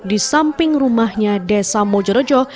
di samping rumahnya desa mojorejo